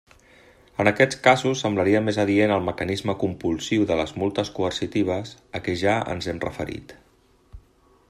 En aquests casos semblaria més adient el mecanisme compulsiu de les multes coercitives a què ja ens hem referit.